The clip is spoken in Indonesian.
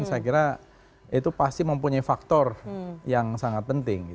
saya kira itu pasti mempunyai faktor yang sangat penting